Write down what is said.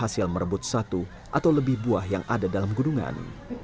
berhasil merebut satu atau lebih buah yang ada dalam gunungan